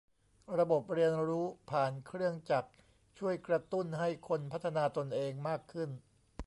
ระบบเรียนรู้ผ่านเครื่องจักรช่วยกระตุ้นให้คนพัฒนาตนเองมากขึ้น